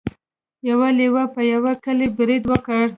یو لیوه په یوه کلي برید وکړ.